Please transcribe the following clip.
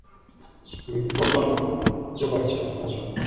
ibikorwa byo kwakira amafaranga